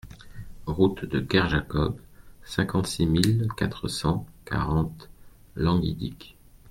Route de Kerjacob, cinquante-six mille quatre cent quarante Languidic